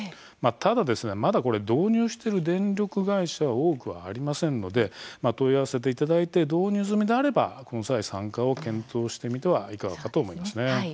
ただ、まだ、これ導入している電力会社は多くはありませんので問い合わせていただいて導入済みであればこの際、参加を検討してみてはいかがかと思います。